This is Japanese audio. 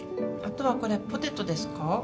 あとはこれポテトですか？